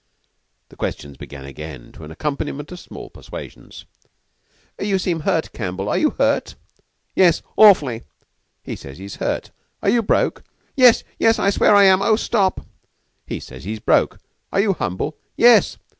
The questions began again to an accompaniment of small persuasions. "You seem hurt, Campbell. Are you hurt?" "Yes. Awfully!" "He says he is hurt. Are you broke?" "Yes, yes! I swear I am. Oh, stop!" "He says he is broke. Are you humble?" "Yes!"